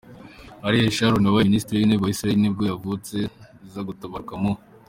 Ariel Sharon, wabaye minisitiri w’intebe wa Israel nibwo yavutse, za gutabaruka mu .